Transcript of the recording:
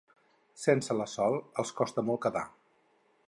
Sense la Sol, els costa molt quedar.